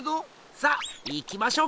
さあ行きましょうか！